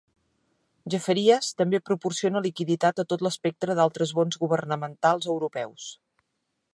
Jefferies també proporciona liquiditat a tot l'espectre d'altres bons governamentals europeus.